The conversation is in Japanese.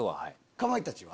かまいたちは？